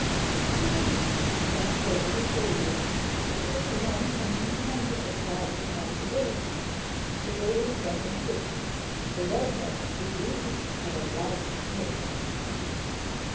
He managed to glance over his shoulders to see if the men coming behind him had thought of the possibility, but they were stepping quickly, for Red head was leading at a lively pace.